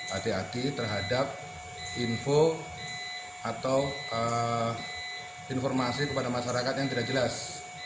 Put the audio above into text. hati hati terhadap info atau informasi kepada masyarakat yang tidak jelas